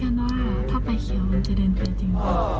ลำมารุ้นถ้าไปเขี้ยวมันจะเดินจริง